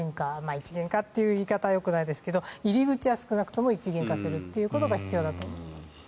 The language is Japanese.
一元化という言い方はよくないですが少なくとも一元化することが必要だと思います。